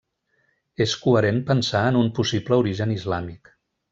És coherent pensar en un possible origen islàmic.